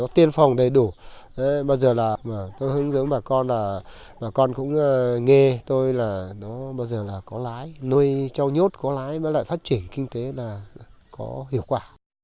thế là có hiệu quả